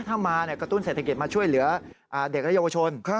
ถ้ามากระตุ้นเศรษฐกิจมาช่วยเหลือเด็กและเยาวชน